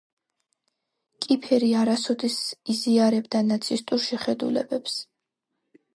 კიფერი არასოდეს იზიარებდა ნაცისტურ შეხედულებებს.